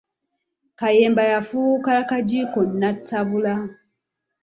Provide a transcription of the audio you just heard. Kayemba yafuuka kagiiko nnattabula.